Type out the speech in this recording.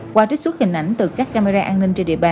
qua trích xuất hình ảnh từ các camera an ninh